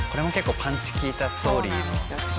パンチ効いたストーリーの。